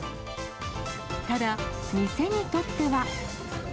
ただ、店にとっては。